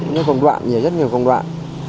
nhiều công đoạn nhiều rất nhiều công đoạn